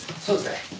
そうですね。